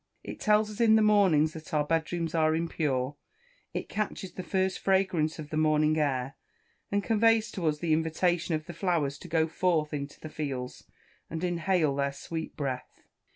It tells us in the mornings that our bed rooms are impure; it catches the first fragrance of the morning air, and conveys to us the invitation of the flowers to go forth into the fields, and inhale their sweet breath.